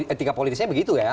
etika politisnya begitu ya